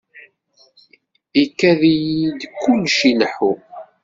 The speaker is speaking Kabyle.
Ikad-iyi-d kullec ileḥḥu.